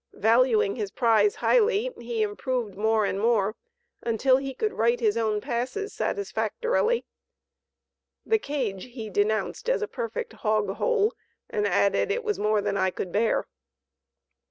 Valuing his prize highly, he improved more and more until he could write his own passes satisfactorily. The "cage" he denounced as a perfect "hog hole," and added, "it was more than I could bear."